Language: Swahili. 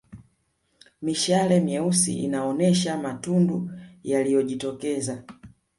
Mishale meusi inaonyesha matundu yaliyojitokeza